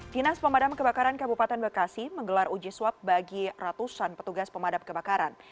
dinas pemadam kebakaran kabupaten bekasi menggelar uji swab bagi ratusan petugas pemadam kebakaran